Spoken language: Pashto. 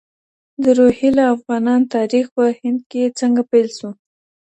د روهیله افغانانو تاریخ په هند کي څنګه پیل سو؟